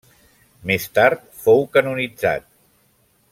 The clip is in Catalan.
Més tard fou canonitzat.